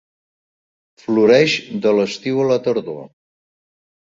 Floreix de l'estiu a la tardor.